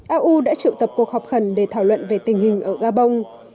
au đã triệu tập cuộc họp khẩn để thảo luận về tình hình ở gabon